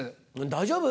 大丈夫？